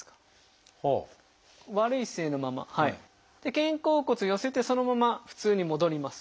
肩甲骨寄せてそのまま普通に戻ります。